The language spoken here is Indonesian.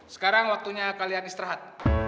sekarang waktunya kalian istirahat